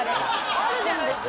あるじゃないですか。